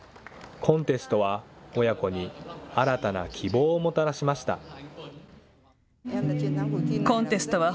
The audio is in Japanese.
コンテストは親子に新たな希望をもたらしました。